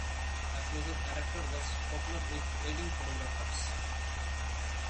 A close-up adapter was popular with wedding photographers.